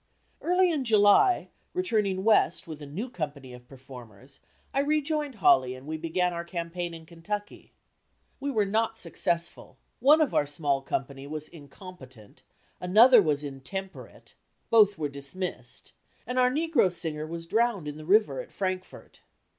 Early in July, returning west with a new company of performers, I rejoined Hawley and we began our campaign in Kentucky. We were not successful; one of our small company was incompetent; another was intemperate both were dismissed; and our negro singer was drowned in the river at Frankfort.